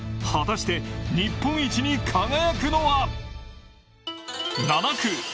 果たして日本一に輝くのは？